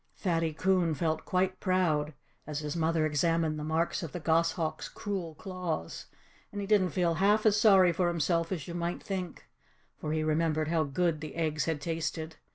Fatty Coon felt quite proud, as his mother examined the marks of the goshawk's cruel claws. And he didn't feel half as sorry for himself as you might think, for he remembered how good the eggs had tasted.